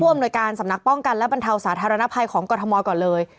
อำนวยการสำนักป้องกันและบรรเทาสาธารณภัยของกรทมก่อนเลย